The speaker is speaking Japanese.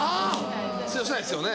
通用しないですよね。